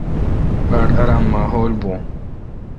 باڑ آرام ماحول این بو۔